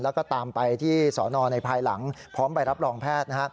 และก็ตามไปที่สอนอดูสิทธิ์ในภายหลังพร้อมไปรับรองแพทย์